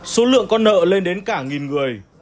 số lượng con nợ lên đến cả nghìn người